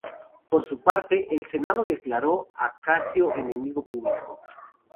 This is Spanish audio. Por su parte, el Senado declaró a Casio enemigo público.